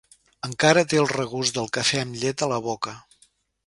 Encara té el regust del cafè amb llet a la boca.